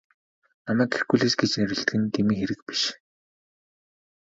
Намайг Геркулес гэж нэрлэдэг нь дэмий хэрэг биш.